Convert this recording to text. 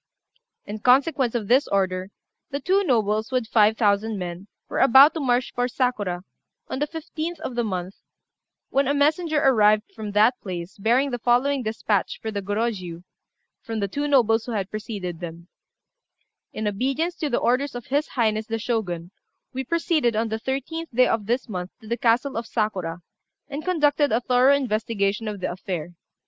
In consequence of this order, the two nobles, with five thousand men, were about to march for Sakura, on the 15th of the month, when a messenger arrived from that place bearing the following despatch for the Gorôjiu, from the two nobles who had preceded them "In obedience to the orders of His Highness the Shogun, we proceeded, on the 13th day of this month, to the castle of Sakura, and conducted a thorough investigation of the affair.